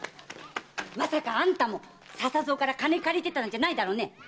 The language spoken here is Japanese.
まさかあんたも笹蔵から金を借りてたんじゃないだろうね